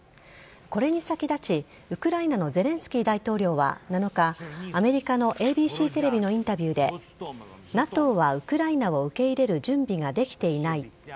これに先立ちウクライナのゼレンスキー大統領は７日アメリカのＡＢＣテレビのインタビューでＮＡＴＯはウクライナを受け入れる準備ができていない。